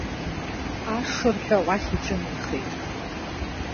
Ашырҳәа уахь иҿынеихеит.